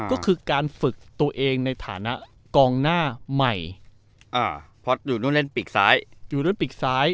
ก็คือการฝึกตัวเองในฐานะกองหน้าใหม่อ่าเพราะอยู่นู่นเล่นปีกซ้ายอยู่นู่นปีกซ้าย